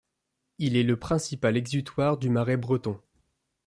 Il est le principal exutoire du Marais breton.